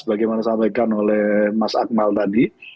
bagaimana sampaikan oleh mas akmal tadi